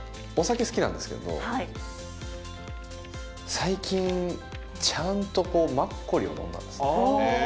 お酒好きなんですけど、最近、ちゃんとこう、マッコリを飲んだんです。